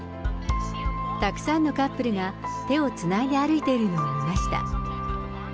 たくさんのカップルが、手をつないで歩いているのを見ました。